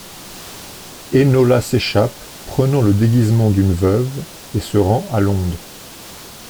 Enola s'échappe, prenant le déguisement d'une veuve, et se rend à Londres.